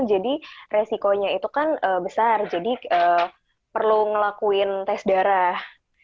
jadi resikonya itu kan besar jadi perlu ngelakuin tes darah